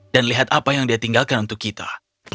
dan lihat apa yang dia tinggalkan untuk kita